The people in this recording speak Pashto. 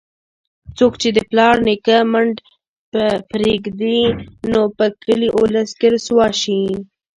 څوک چې د پلار نیکه منډ پرېږدي، نو په کلي اولس کې رسوا شي.